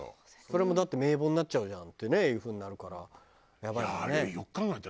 それもだって名簿になっちゃうじゃんっていう風になるからやばいもんね。